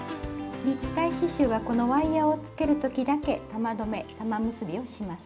立体刺しゅうはこのワイヤーをつける時だけ玉留め玉結びをします。